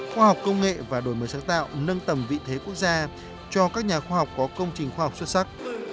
khoa học công nghệ và đổi mới sáng tạo nâng tầm vị thế quốc gia cho các nhà khoa học có công trình khoa học xuất sắc